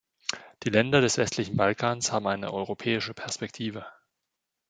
Die Länder des westlichen Balkans haben eine europäische Perspektive.